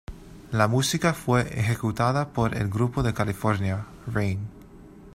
La música fue ejecutada por el grupo de California, "Rain".